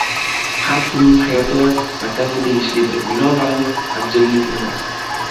Har kimning hayoti vatanga tegishlidir, binobarin, abjirlik emas